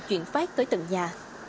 chuyển phát tới tận nhà